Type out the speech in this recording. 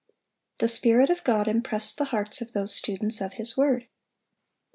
(719) The Spirit of God impressed the hearts of those students of His word.